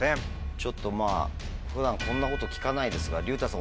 ちょっとまぁ普段こんなこと聞かないですが隆太さん